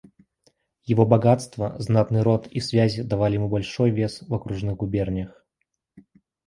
Его богатство, знатный род и связи давали ему большой вес в окружных губерниях.